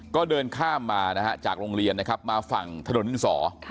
ก็เดินข้ามมานะฮะจากโรงเรียนนะครับมาฝั่งถนนดินสอ